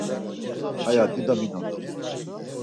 Aya dido minon.